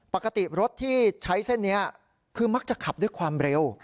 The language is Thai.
ปกติรถที่ใช้เส้นนี้คือมักจะขับด้วยความเร็ว